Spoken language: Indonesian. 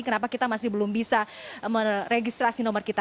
kenapa kita masih belum bisa meregistrasi nomor kita